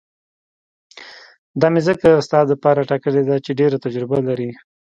دا مې ځکه ستا دپاره ټاکلې ده چې ډېره تجربه لري.